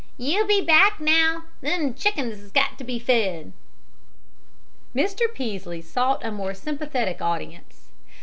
"You be back, now; them chickens has got to be fed!" Mr. Peaslee sought a more sympathetic audience.